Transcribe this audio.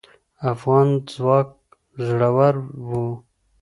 افغان ځواک زړور و